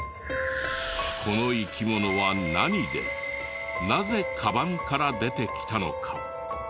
この生き物は何でなぜカバンから出てきたのか？